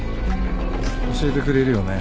教えてくれるよね？